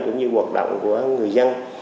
cũng như hoạt động của người dân